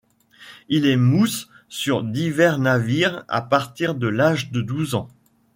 Il est mousse sur divers navires à partir de l'âge de douze ans.